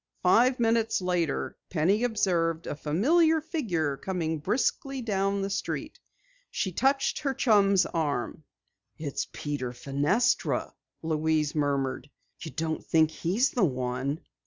Five minutes later Penny observed a familiar figure coming briskly down the street. She touched her chum's arm. "It's Peter Fenestra," Louise murmured. "You don't think he's the one?"